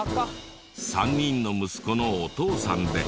３人の息子のお父さんで。